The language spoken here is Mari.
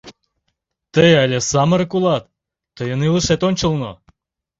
Тый але самырык улат, тыйын илышет ончылно...